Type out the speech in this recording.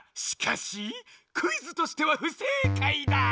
しかしクイズとしてはふせいかいだ！